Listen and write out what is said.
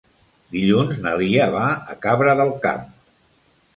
Dilluns na Lia va a Cabra del Camp.